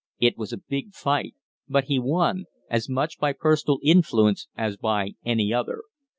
It was a big fight, but he won as much by personal influence as by any other.